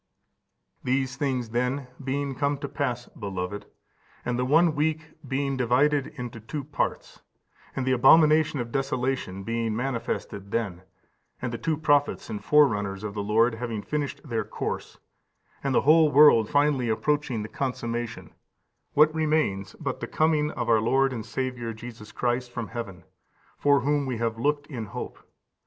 15451545 Isa. xxvi. 10. 64. These things, then, being to come to pass, beloved, and the one week being divided into two parts, and the abomination of desolation being manifested then, and the two prophets and forerunners of the Lord having finished their course, and the whole world finally approaching the consummation, what remains but the coming of our Lord and Saviour Jesus Christ from heaven, for whom we have looked in hope?